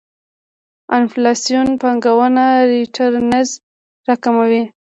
انفلاسیون پانګونه ريټرنز راکموي.